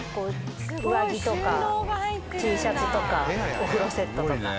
上着とかＴシャツとかお風呂セットとか。